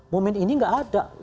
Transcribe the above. momen ini nggak ada